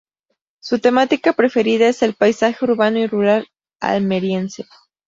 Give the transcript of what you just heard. Su temática preferida es el paisaje urbano y rural almeriense.